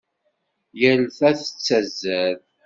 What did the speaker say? Yal ta tettazzal.